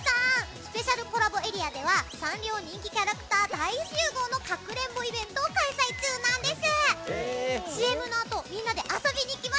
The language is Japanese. スペシャルコラボエリアではサンリオ人気キャラクター大集合のかくれんぼイベントを開催中なんです！